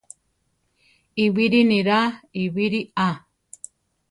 Ibiri niraa ibiri á.